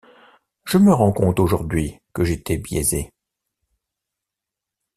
Je me rends compte aujourd’hui que j’étais biaisée.